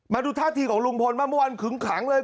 มาดูท่าทีของลุงพลบ้างเมื่อวานขึงขังเลย